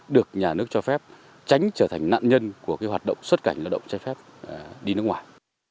được nhà nước cho phép tránh trở thành nạn nhân của hoạt động xuất cảnh lao động trái phép đi nước ngoài